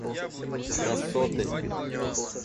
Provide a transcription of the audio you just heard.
красоты